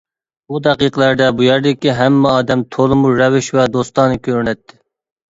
بۇ دەقىقىلەردە بۇ يەردىكى ھەممە ئادەم تولىمۇ رەۋىش ۋە دوستانە كۆرۈنەتتى.